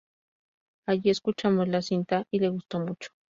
Allí, escuchamos la cinta y le gustó mucho.